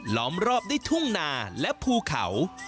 ล้อมรอบทุ่มนาและบรุขัว